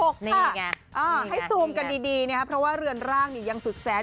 ให้ซูมกันดีนะครับเพราะว่าเรือนร่างยังสุดแสน